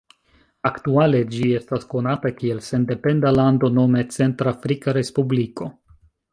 Aktuale ĝi estas konata kiel sendependa lando nome Centr-Afrika Respubliko.